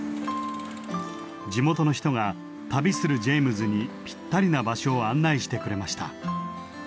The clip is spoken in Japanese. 地元の人が旅するジェイムズにぴったりな場所を案内してくれました。